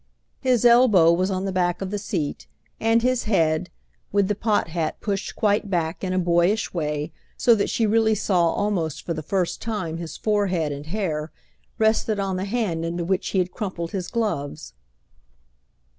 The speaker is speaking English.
His elbow was on the back of the seat, and his head, with the pot hat pushed quite back, in a boyish way, so that she really saw almost for the first time his forehead and hair, rested on the hand into which he had crumpled his gloves.